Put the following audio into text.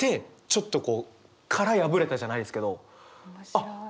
ちょっとこう殻破れたじゃないですけどあっ